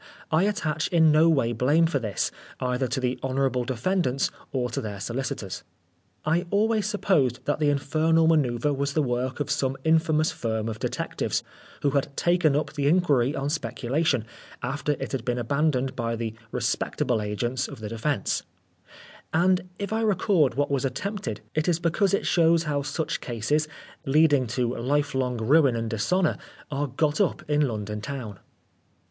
I attach in no way blame for this, either to the honour able defendants or to theij solicitors. I always supposed that the infernal manoeuvre was the work of some infamous firm of detectives, who had taken up the in quiry on speculation, after it had been abandoned by the respectable agents of the defence ; and if I record what was 130 Oscar Wilde attempted, it is because it shows how such cases, leading to lifelong ruin and dishonour, are got up in London town.